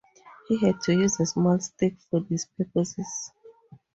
He had to use a small stick for these purposes.